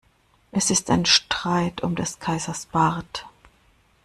Es ist ein Streit um des Kaisers Bart.